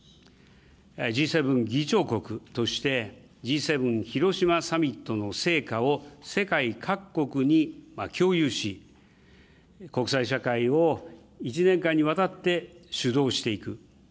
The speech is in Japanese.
Ｇ７議長国として、Ｇ７広島サミットの成果を世界各国に共有し、国際社会を１年間にわたって主導していく。